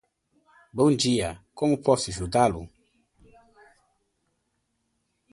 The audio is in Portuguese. Bom dia, como posso ajudá-lo?